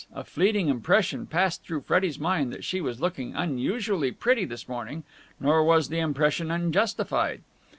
A fleeting impression passed through Freddie's mind that she was looking unusually pretty this morning: nor was the impression unjustified.